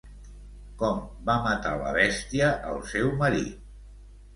Com va matar la bèstia el seu marit?